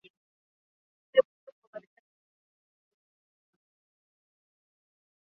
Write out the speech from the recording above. mjumbe maalum wa marekani nchini afghanistan na pakistan richard hobrook